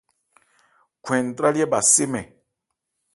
Khwɛn ntrályɛ́ bha sé mɛn.